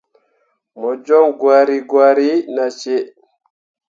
Mo joŋ gwari gwari nah cii.